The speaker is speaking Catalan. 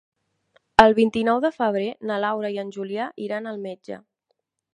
El vint-i-nou de febrer na Laura i en Julià iran al metge.